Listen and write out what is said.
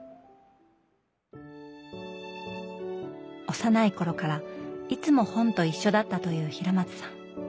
幼い頃からいつも本と一緒だったという平松さん